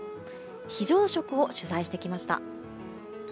非常食を取材してきました。